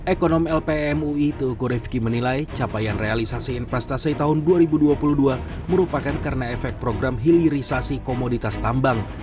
ekonom lpmui tugu rivki menilai capaian realisasi investasi tahun dua ribu dua puluh dua merupakan karena efek program hilirisasi komoditas tambang